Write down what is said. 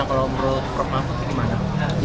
kalau menurut pak mahfud bagaimana